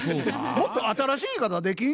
もっと新しい言い方できん？